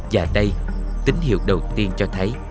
và đây tín hiệu đầu tiên cho thấy